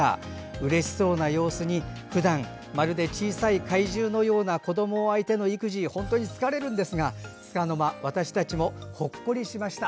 うれしそうな様子にふだんまるで小さい怪獣のような子ども相手の育児で本当に疲れるんですがつかの間私たちもほっこりできました。